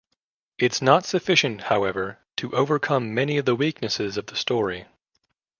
It's not sufficient, however, to overcome many of the weaknesses of the story.